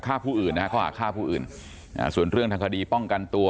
ค่าผู้อื่นนะฮะส่วนเรื่องทางคดีป้องกันตัว